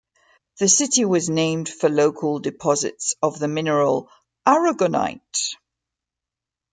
The city was named for local deposits of the mineral aragonite.